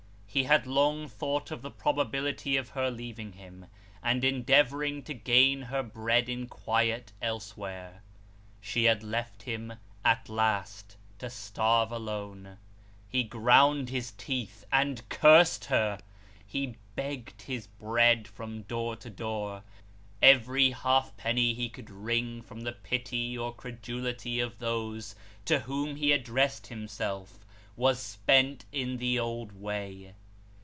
He had long thought of the probability of her leaving him, and endeavouring to gain her bread in quiet, elsewhere. She had left him at last to starve alone. He ground his teeth, and cursed her ! He begged his bread from door to door. Every halfpenny he could wring from the pity or credulity of those to whom he addressed him self, was spent in the old way.